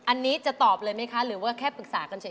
อันนี้จะตอบเลยไหมคะหรือว่าแค่ปรึกษากันเฉย